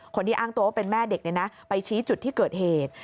คนที่อ้างตัวว่าเป็นแม่เด็กไปชี้จุดที่เกิดเหตุ